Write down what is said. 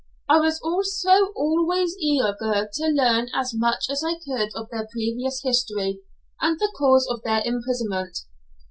I was also always eager to learn as much as I could of their previous history, and the cause of their imprisonment.